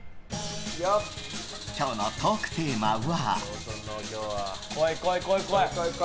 今日のトークテーマは？